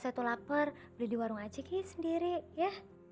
setelah perbeda warung aciki sendiri ya